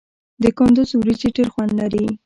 د کندز وریجې ډیر خوند لري.